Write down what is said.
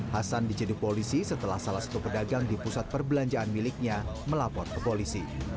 hasan dijenduk polisi setelah salah satu pedagang di pusat perbelanjaan miliknya melapor ke polisi